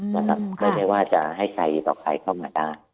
มันไม่ไงว่าจะให้ใครบอกใครเข้ามาได้